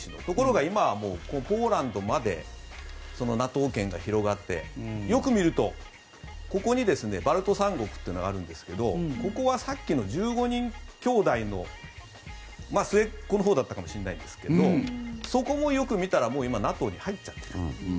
ところが今はもうポーランドまでＮＡＴＯ圏が広がってよく見るとここにバルト三国というのがあるんですがここはさっきの１５人きょうだいの末っ子のほうだったかもしれないんですけどそこもよく見たらもうＮＡＴＯに入っちゃっている。